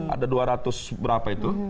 ada dua ratus berapa itu